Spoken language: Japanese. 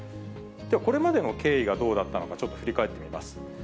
これまでの経緯がどうだったのか、ちょっと振り返ってみます。